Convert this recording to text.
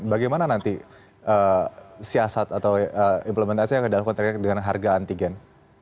bagaimana nanti siasat atau implementasinya ke dalam kontrair dengan harga antigen